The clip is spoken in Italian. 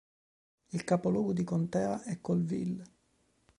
Il capoluogo di contea è Colville.